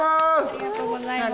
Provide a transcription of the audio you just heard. ありがとうございます。